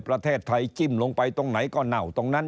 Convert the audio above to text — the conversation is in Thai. ประเทศไทยจิ้มลงไปตรงไหนก็เน่าตรงนั้น